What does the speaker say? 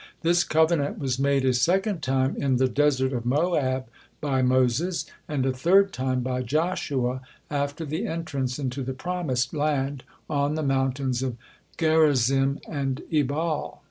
This covenant was made a second time in the desert of Moab by Moses, and a third time by Joshua after the entrance into the promised land, on the mountains of Gerizim and Ebal.